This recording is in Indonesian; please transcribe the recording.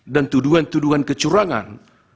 dan tuduhan tuduhan kecurangan